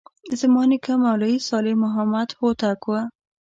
زما نیکه مولوي صالح محمد هوتک و.